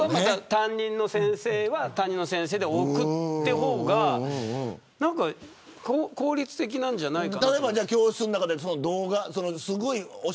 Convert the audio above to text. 担任の先生は担任の先生で置くという方が効率的なんじゃないかな。